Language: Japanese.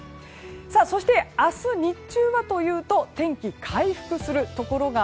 そして、明日日中はというと天気回復するところが